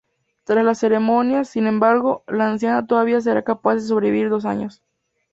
Tras la ceremonia, sin embargo, la anciana todavía será capaz de sobrevivir dos años.